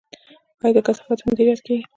آیا د کثافاتو مدیریت کیږي؟